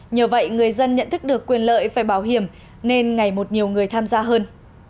nhờ vậy người dân nhận thức được quyền lợi về bảo hiểm nên ngày một nhiều người tham gia hơn